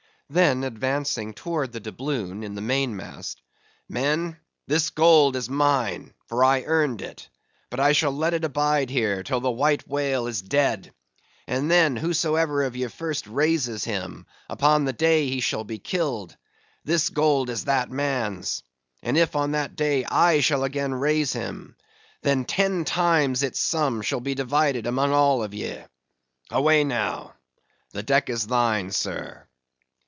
—Then advancing towards the doubloon in the main mast—"Men, this gold is mine, for I earned it; but I shall let it abide here till the White Whale is dead; and then, whosoever of ye first raises him, upon the day he shall be killed, this gold is that man's; and if on that day I shall again raise him, then, ten times its sum shall be divided among all of ye! Away now!—the deck is thine, sir!"